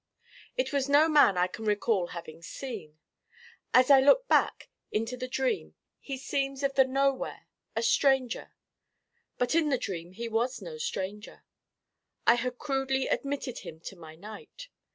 It was no man I can recall having seen. As I look back into the dream he seems of the nowhere, a stranger. But in the dream he was no stranger. I had crudely admitted him to my night.